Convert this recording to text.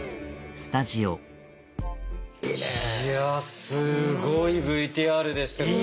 いやすごいＶＴＲでしたけど。